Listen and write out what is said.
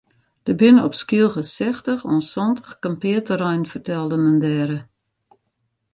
Der binne op Skylge sechstich oant santich kampearterreinen fertelde men dêre.